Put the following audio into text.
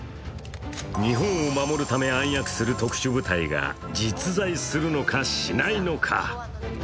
日本を守るため暗躍する特殊部隊が実在するのか、しないのか。